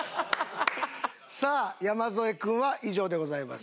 さあ山添君は以上でございます。